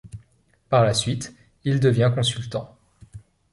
Par la suite il devient consultant.